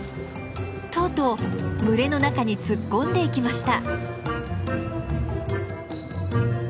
とうとう群れの中に突っ込んでいきました。